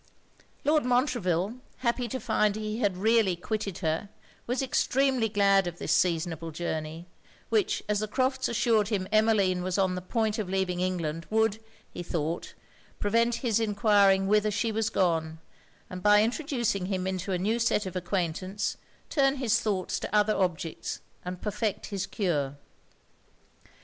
Lord Montreville, happy to find he had really quitted her, was extremely glad of this seasonable journey; which, as the Crofts' assured him Emmeline was on the point of leaving England, would, he thought, prevent his enquiring whither she was gone, and by introducing him into a new set of acquaintance, turn his thoughts to other objects and perfect his cure.